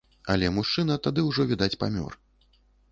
Але мужчына тады ўжо, відаць, памёр.